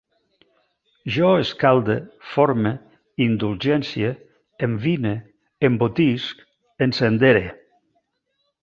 Jo escalde, forme, indulgencie, envine, embotisc, ensendere